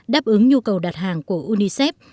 đáp ứng nhu cầu đặt hàng của unicef